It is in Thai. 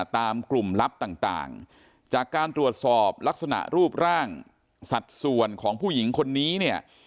ตามกลุ่มลับต่างจากการตรวจสอบลักษณะรูปร่างสัดส่วนของผู้หญิงคนนี้เนี่ย